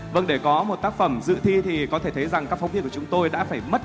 vâng để có một tác phẩm dự thi thì có thể thấy rằng các phóng viên của chúng tôi đã phải mất